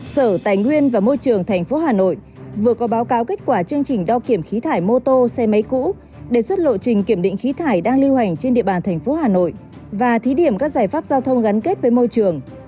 sở tài nguyên và môi trường tp hà nội vừa có báo cáo kết quả chương trình đo kiểm khí thải mô tô xe máy cũ đề xuất lộ trình kiểm định khí thải đang lưu hành trên địa bàn thành phố hà nội và thí điểm các giải pháp giao thông gắn kết với môi trường